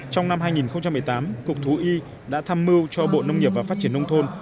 trong năm hai nghìn một mươi tám cục thú y đã tham mưu cho bộ nông nghiệp và phát triển nông thôn